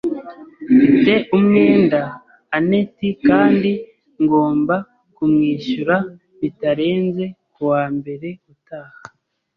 Mfite umwenda anet kandi ngomba kumwishura bitarenze kuwa mbere utaha.